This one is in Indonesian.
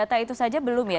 data itu saja belum ya